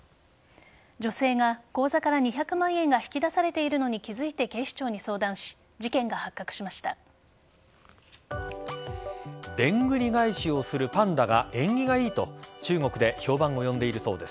女性が口座から２００万円が引き出されているのに気づいて警視庁に相談しでんぐり返しをするパンダが縁起がいいと中国で評判を呼んでいるそうです。